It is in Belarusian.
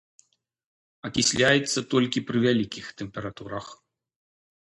Акісляецца толькі пры вялікіх тэмпературах.